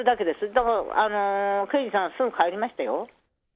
だから、刑事さんはすぐ帰りましたよ。